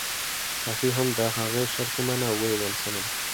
هغې هم د هغه شرط ومانه او ويې ويل سمه ده.